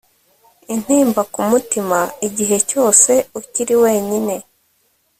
intimba ku mutima igihe cyose ukiri wenyine